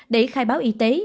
để khai báo y tế